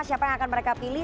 siapa yang akan mereka pilih